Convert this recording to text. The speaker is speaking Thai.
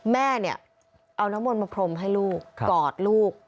แม่เนี่ยเอาน้ำมนต์มาพรมให้ลูกกอดลูก